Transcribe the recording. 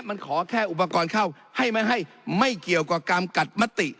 มันขอแค่อุปกรณ์เข้าให้ไม่ให้ไม่เกี่ยวกับการกัดมติ